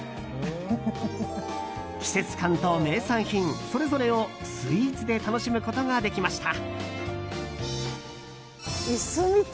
季節感と名産品それぞれをスイーツで楽しむことができました。